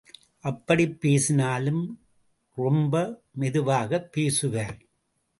அப்படிப் பேசினாலும் ரொம்ப மெதுவாகப் பேசுவார்.